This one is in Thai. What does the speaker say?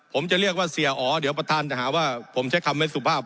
ผมจะเรียกว่าเสียอ๋อเดี๋ยวประธานจะหาว่าผมใช้คำไม่สุภาพ